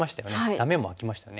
ダメも空きましたね